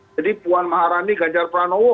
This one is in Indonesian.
jadi puan maharani ganjar pranowo